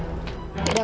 udah kalau gitu